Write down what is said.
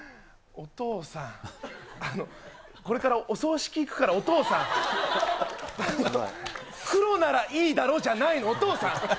お父さん、これからお葬式行くから、お父さん、黒ならいいだろじゃないの、お父さん。